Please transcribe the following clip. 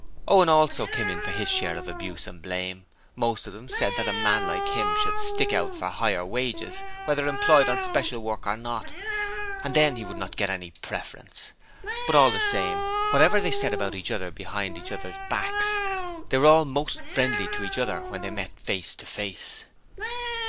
Owen also came in for his share of abuse and blame: most of them said that a man like him should stick out for higher wages whether employed on special work or not, and then he would not get any preference. But all the same, whatever they said about each other behind each other's backs, they were all most friendly to each other when they met face to face.